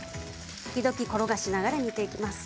転がしながら煮ていきます。